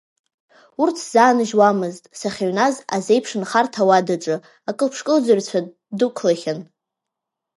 Урҭ сзааныжьуамызт сахьыҩназ азеиԥшнхарҭа ауадаҿы, акылԥш-кылӡырҩцәа дәықәлахьан.